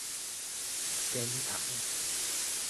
剪蟲